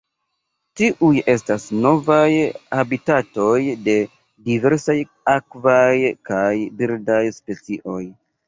Tiuj estas novaj habitatoj de diversaj akvaj kaj birdaj specioj.